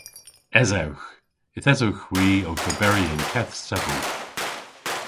Esewgh. Yth esewgh hwi owth oberi y'n keth stevel.